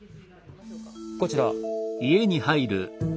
こちら。